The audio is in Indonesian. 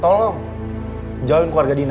tolong jauhin keluarga dina